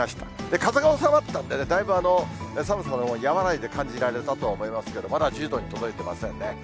風が収まったんでね、だいぶ寒さのほう和らいで感じられたと思いますけれども、まだ１０度に届いてませんね。